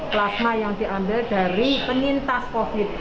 plasma yang diambil dari penintas covid